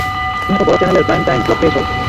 তুমি এত বড় চ্যানেলের প্রাইম টাইম স্লট পেয়েছো।